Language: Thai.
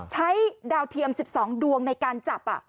ดาวเทียม๑๒ดวงในการจับ